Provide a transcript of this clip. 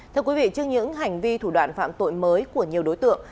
trước những hành vi thủ đoạn phạm tội mới của nhiều đối tượng